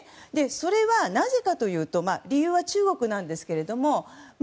それは、なぜかというと理由は中国なんですが。